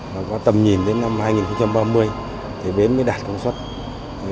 mà có tầm nhìn đến năm hai nghìn hai mươi